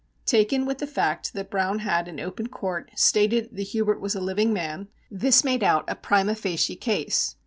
Taken with the fact that Browne had in open court stated that Hubert was a living man, this made out a prima facie case.